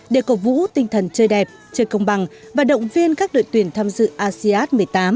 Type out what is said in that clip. để cầu vũ tinh thần chơi đẹp chơi công bằng và động viên các đội tuyển tham dự asean một mươi tám